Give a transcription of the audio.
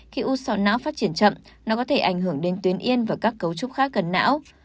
khi u sáu não phát triển chậm nó có thể ảnh hưởng đến tuyến yên và các cấu trúc khác gần não